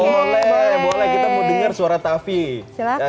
boleh kita mau dengar suara taffy